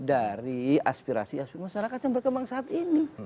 dari aspirasi aspirasi masyarakat yang berkembang saat ini